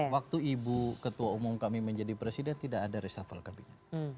waktu ibu ketua umum kami menjadi presiden tidak ada reshuffle kabinet